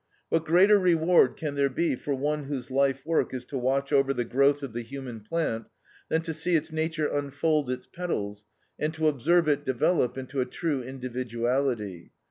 What greater reward can there be for one whose life work is to watch over the growth of the human plant, than to see its nature unfold its petals, and to observe it develop into a true individuality.